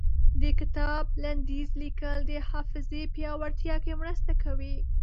د کتاب لنډيز ليکل د حافظې پياوړتيا کې مرسته کوي.